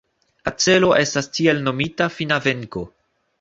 La celo estas tiel nomita fina venko.